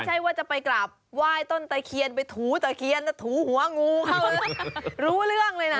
ใช่ว่าจะไปกราบไหว้ต้นตะเคียนไปถูตะเคียนแล้วถูหัวงูเข้ารู้เรื่องเลยนะ